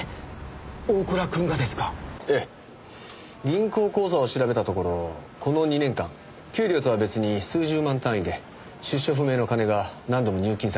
銀行口座を調べたところこの２年間給料とは別に数十万単位で出所不明の金が何度も入金されていました。